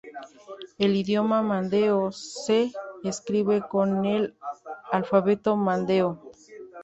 El idioma mandeo se escribe con en el alfabeto mandeo.